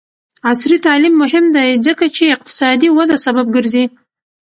عصري تعلیم مهم دی ځکه چې اقتصادي وده سبب ګرځي.